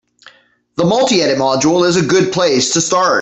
The multi-edit module is a good place to start.